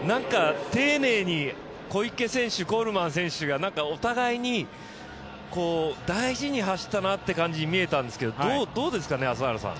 丁寧に小池選手、コールマン選手がお互いに大事に走ったなって感じに見えたんですがどうですかね。